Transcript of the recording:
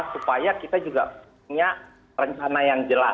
supaya kita juga punya rencana yang jelas